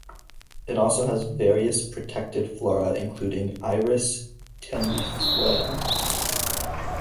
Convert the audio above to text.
It also has various protected flora including "Iris tenuifloia".